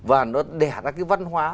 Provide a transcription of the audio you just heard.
và nó đẻ ra cái văn hóa